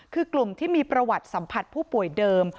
คือกลุ่มที่มีประวัติสัมผัสผู้ป่วยเดิม